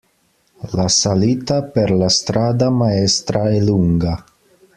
La salita per la strada maestra è lunga.